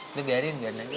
udah biarin biar nangis